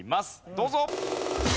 どうぞ。